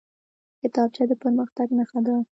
کتابچه د پرمختګ نښه ده